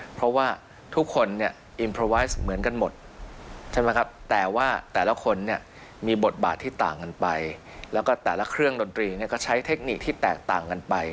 เพราะว่าทุกคนเนี่ยอินเพอร์ไวท์เหมือนกันหมดใช่ไหมครับแต่ว่าแต่ละคนเนี่ยมีบทบาทที่ต่างกันไปแล้วก็แต่ละเครื่องดนตรีเนี่ยก็ใช้เทคนิคที่แตกต่างกันไป